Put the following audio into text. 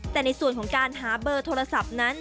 แต่ในส่วนของการหาเบอร์โทรศัพท์นั้น